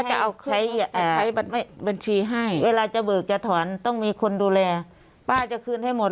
จะเอาใช้บัญชีให้เวลาจะเบิกจะถอนต้องมีคนดูแลป้าจะคืนให้หมด